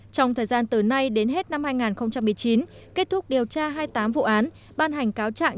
trong thời gian từ nay đến hết năm hai nghìn một mươi chín kết thúc điều tra hai mươi tám vụ án ban hành cáo trạng